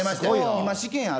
今試験ある。